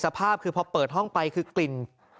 สภาพคือพอเปิดห้องไปคือกลิ่น